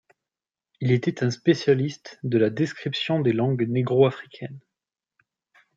Il était un spécialiste de la description des langues négro-africaines.